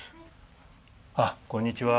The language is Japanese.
あっこんにちは。